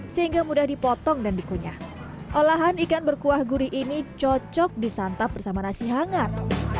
sehingga mudah dipotong dan dikunyah olahan ikan berkuah gurih ini cocok disantap bersama nasi hangat